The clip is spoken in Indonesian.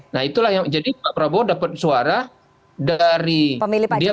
nah itulah yang jadi pak prabowo dapat suara dari dia